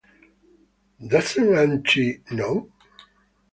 Doesn't auntie know?